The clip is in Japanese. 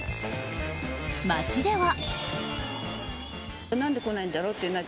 街では。